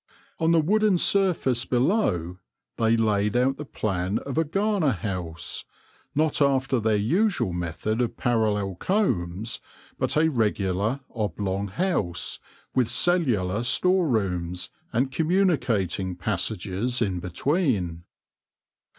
On the wooden surface below they laid out the plan of a garner house, not after their usual method of parallel combs, but a regular, oblong house, with cellular storerooms, and communicating passages in between.